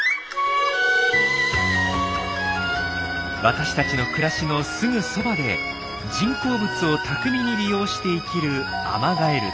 私たちの暮らしのすぐそばで人工物を巧みに利用して生きるアマガエルたち。